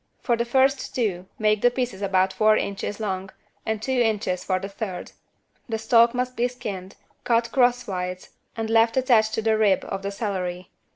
For the first two make the pieces about four inches long, and two inches for the third. The stalk must be skinned, cut crosswise and left attached to the rib of the celery.